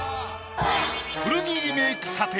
古着リメイク査定。